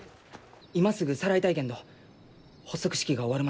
今すぐさらいたいけんど発足式が終わるまではお預けじゃと。